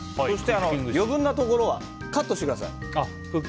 そして、余分なところはカットしてください。